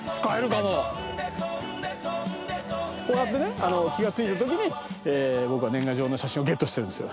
こうやってね気がついた時に僕は年賀状の写真をゲットしてるんです。